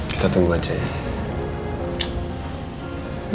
kita tunggu aja ya